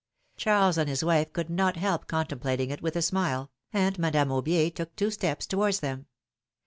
Charles and his wife could not help contemplating it with a smile, and Madame Aubier took tw^o steps towards them.